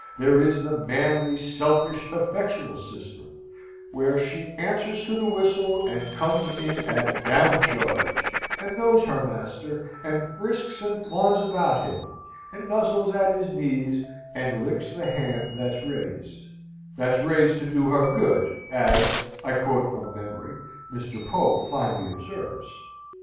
There is the manly, selfish, effectual system, where she answers to the whistle and comes in at "Down Charge;" and knows her master; and frisks and fawns about him; and nuzzles at his knees; and "licks the hand that's raised" that's raised to do her good, as (I quote from memory) Mr. Pope finely observes.